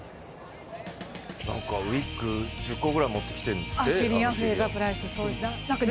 なんかウィッグ１０個くらい持ってきてるんですって。